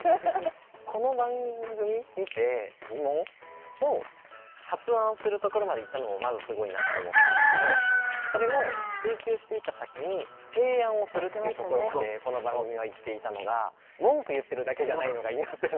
この番組見て疑問を発案するところまでいったのもまずすごいなって思ったんですけどそれを追究していった先に提案をするっていうところまでこの番組はいっていたのがほんとですよね。